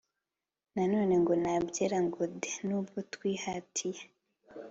na none ngo nta byera ngo de! n'ubwo twihatiye